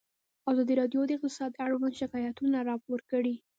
ازادي راډیو د اقتصاد اړوند شکایتونه راپور کړي.